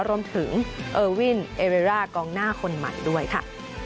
รวมถึงเออวินเอเรร่ากองหน้าคนใหม่ด้วยค่ะ